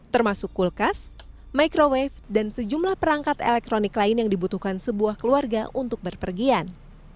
termasuk kulkas microwave dan sejumlah perangkat elektronik lain yang dibutuhkan sebuah keluarga untuk berpergian